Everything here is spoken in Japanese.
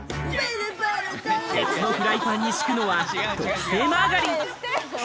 鉄のフライパンに敷くのは特製マーガリン。